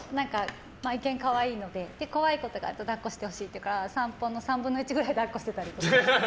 愛犬が可愛いので怖いことがあると抱っこしてほしいっていうから散歩の３分の１くらいは抱っこしてたり。